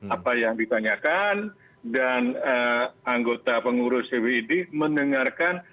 apa yang ditanyakan dan anggota pengurus cwid mendengarkan